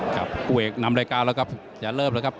ครับเวกนำรายการแล้วครับจะเริ่มแล้วครับ